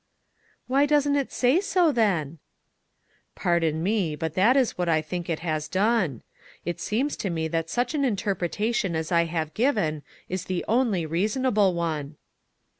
" Why doesn't it say so, then ?"" Pardon me, but that is what I think it has done. It seems to me that such an in terpretation as I have given is the only rea sonable one."